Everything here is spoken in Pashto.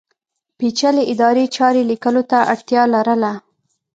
پېچلې ادارې چارې لیکلو ته اړتیا لرله.